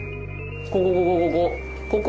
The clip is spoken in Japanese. ここここここ。